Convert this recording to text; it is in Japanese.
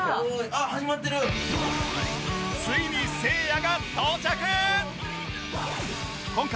ついにせいやが到着！